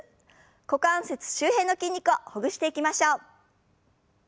股関節周辺の筋肉をほぐしていきましょう。